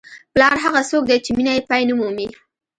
پلار هغه څوک دی چې مینه یې پای نه مومي.